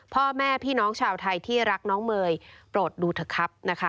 พ่อแม่พี่น้องชาวไทยที่รักน้องเมย์โปรดดูเถอะครับนะคะ